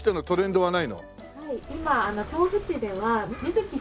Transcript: はい。